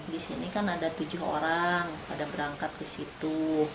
di sini kan ada tujuh orang pada berangkat ke situ